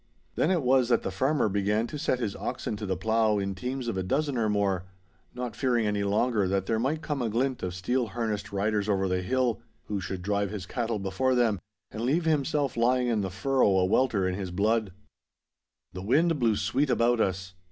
Then it was that the farmer began to set his oxen to the plough in teams of a dozen or more, not fearing any longer that there might come a glint of steel harnessed riders over the hill, who should drive his cattle before them and leave himself lying in the furrow a welter in his blood. The wind blew sweet about us.